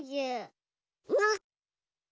わっ！